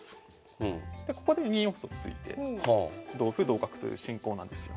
でここで２四歩と突いて同歩同角という進行なんですよ。